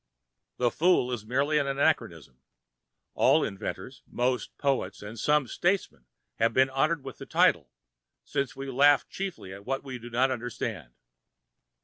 The fool is merely an anachronism. All inventors, most poets, and some statesmen have been honoured with the title, since we laugh chiefly at what we do not understand.